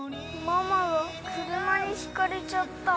「ママが車にひかれちゃった」